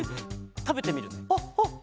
たべてみるね。